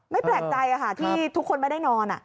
ไม่แปลกใจค่ะที่ทุกคนไม่ได้นอน